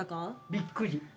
びっくり。